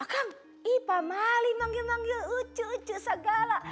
akang pak mali memanggil manggil ucu ucu segala